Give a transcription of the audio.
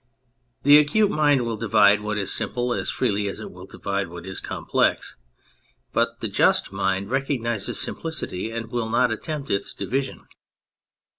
The acute mind will divide what is simple as freely as it will divide what is complex, but the just mind recognises simplicity and will not attempt its division.